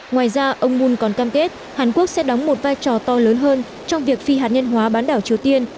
ngoài ra ông moon còn cam kết hàn quốc sẽ đóng một vai trò to lớn hơn trong việc phi hạt nhân hóa bán đảo triều tiên